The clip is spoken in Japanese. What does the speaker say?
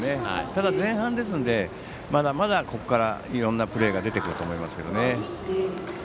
ただ、前半ですのでまだまだここからいろんなプレーが出てくると思いますけどね。